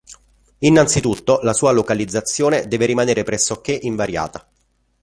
Innanzitutto, la sua localizzazione deve rimanere pressoché invariata.